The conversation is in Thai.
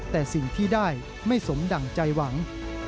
แต่สิ่งที่ได้ไม่สมดั่งใจหวัง